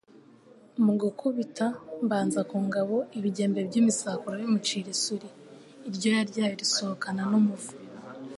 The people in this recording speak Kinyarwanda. mu gukubita mbanza ku ngabo ibigembe by'imisakura bimucira isuli, iryoya ryayo risohokana n'umuvu;